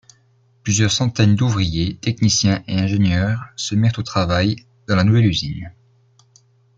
Plusieurs centaines d'ouvriers, techniciens et ingénieurs se mirent au travail dans la nouvelle usine.